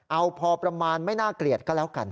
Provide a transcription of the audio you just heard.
เอาพอประมาณไม่น่าเกลียดก็แล้วกัน